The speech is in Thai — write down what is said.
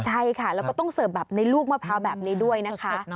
ใช่ค่ะแล้วก็ต้องเสิร์ฟแบบในลูกมะพร้าวแบบนี้ด้วยนะคะ